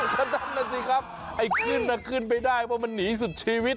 ก็นั่นน่ะสิครับไอ้ขึ้นน่ะขึ้นไปได้เพราะมันหนีสุดชีวิต